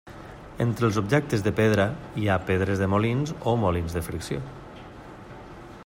Entre els objectes de pedra hi ha pedres de molins o molins de fricció.